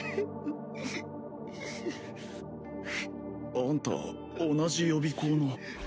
あんた同じ予備校の